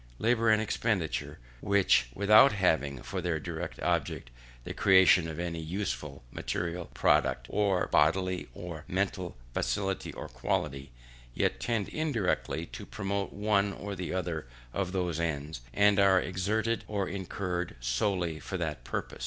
Labour and expenditure, which without having for their direct object the creation of any useful material product or bodily or mental faculty or quality, yet tend indirectly to promote one or other of those ends, and are exerted or incurred solely for that purpose.